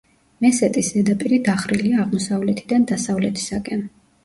მესეტის ზედაპირი დახრილია აღმოსავლეთიდან დასავლეთისაკენ.